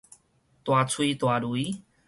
大吹大擂